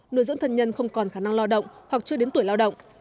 nuôi dưỡng thân nhân không còn khả năng lao động hoặc chưa đến tuổi lao động